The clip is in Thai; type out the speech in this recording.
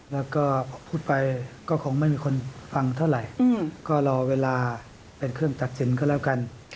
แล้วก็พูดไปก็คงไม่มีคนฟังเท่าไหร่ก็รอเวลาเป็นเครื่องตัดสินก็แล้วกัน